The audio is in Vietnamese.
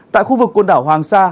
tại khu vực quần đảo hoàng sa